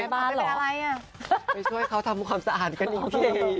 บ้านหรอไปช่วยเขาทำความสะอาดกันอีกเก่ง